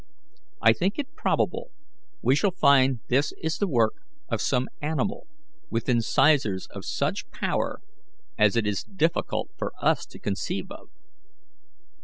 I think it probable we shall find this is the work of some animal with incisors of such power as it is difficult for us to conceive of."